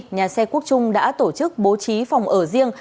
nhà xe quốc trung đã tổ chức bố trí phòng ở riêng